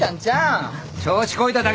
調子こいただけだ。